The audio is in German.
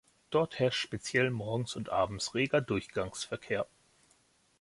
Dort herrscht speziell morgens und abends reger Durchgangsverkehr.